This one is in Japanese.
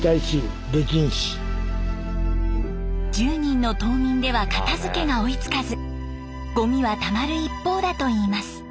１０人の島民では片づけが追いつかずゴミはたまる一方だといいます。